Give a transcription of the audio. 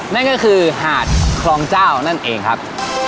นั่นก็คือหาดคลองเจ้านั่นเองครับ